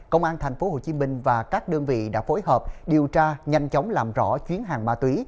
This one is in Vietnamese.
công an tp hcm và các đơn vị đã phối hợp điều tra nhanh chóng làm rõ chuyến hàng ma túy